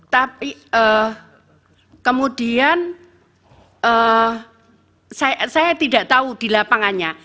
tapi kemudian saya tidak tahu di lapangannya